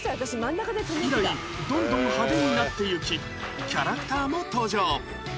以来どんどん派手になってゆきキャラクターも登場